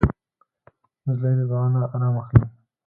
نجلۍ له دعا نه ارام اخلي.